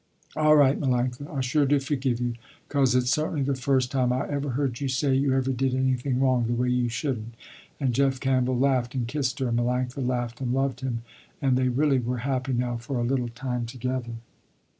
"All right Melanctha, I sure do forgive you, cause it's certainly the first time I ever heard you say you ever did anything wrong the way you shouldn't," and Jeff Campbell laughed and kissed her, and Melanctha laughed and loved him, and they really were happy now for a little time together.